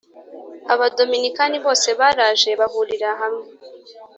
abaDominikani bose baraje bahurira hamwe